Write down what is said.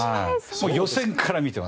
もう予選から見てます！